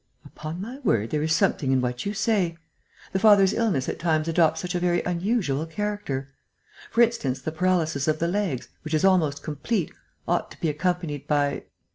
"Upon my word, there is something in what you say.... The father's illness at times adopts such a very unusual character!... For instance, the paralysis of the legs, which is almost complete, ought to be accompanied by...."